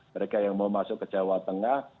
mereka yang mau masuk ke jawa tengah